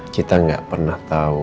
kita gak pernah tau